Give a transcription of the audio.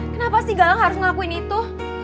kenapa sih gak harus ngelakuin itu